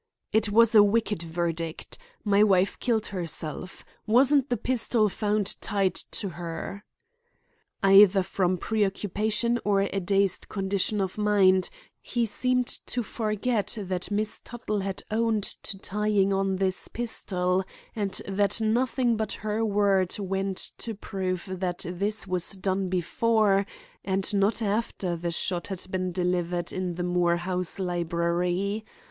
"It was a wicked verdict. My wife killed herself. Wasn't the pistol found tied to her?" Either from preoccupation or a dazed condition of mind, he seemed to forget that Miss Tuttle had owned to tying on this pistol; and that nothing but her word went to prove that this was done before and not after the shot had been delivered in the Moore house library.